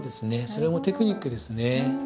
それもテクニックですね。